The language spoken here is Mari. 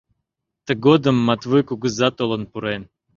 Тыгодым Матвуй кугыза толын пурен.